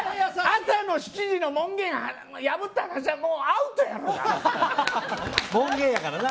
朝の７時の門限破った話はもうアウトやろ。